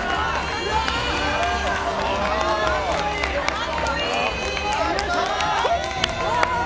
かっこいい！